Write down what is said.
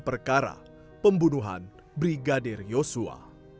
dan perkara pembunuhan brigadir yosua